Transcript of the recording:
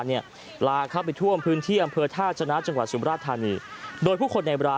นี่นี่นี่นี่นี่นี่นี่